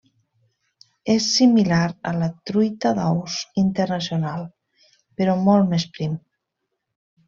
És similar a la truita d'ous internacional però molt més prim.